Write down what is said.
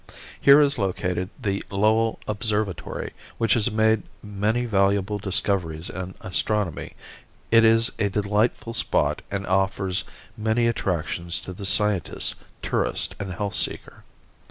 Here is located the Lowell Observatory, which has made many valuable discoveries in astronomy. It is a delightful spot and offers many attractions to the scientist, tourist and health seeker.